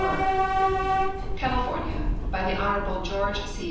10 CALIFORNIA By the Hon. George C.